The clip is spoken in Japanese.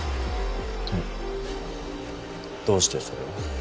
えどうしてそれを？